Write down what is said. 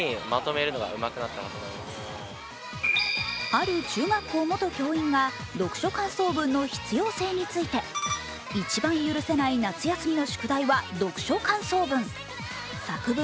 ある中学校元教員が読書感想文の必要性について一番許せない夏休みの宿題は読書感想文。